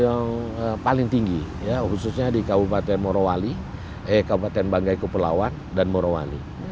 yang paling tinggi ya khususnya di kabupaten morowali eh kabupaten banggaiku pelawan dan morowali